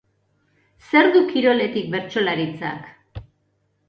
Zer du kiroletik bertsolaritzak?